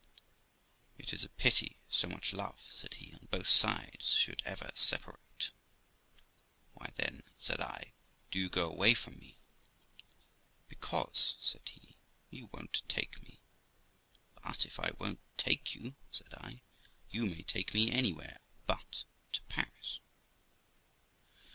'It is a pity so much love', said he, 'on both sides should ever separate.' Why, then', said I, 'do you go away from me?' 'Because', said he, 'you won't take me.' 'But, if I won't take you', said I, 'you may take me anywhere but to Paris.'